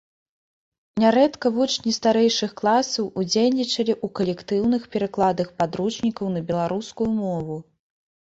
Нярэдка вучні старэйшых класаў удзельнічалі ў калектыўных перакладах падручнікаў на беларускую мову.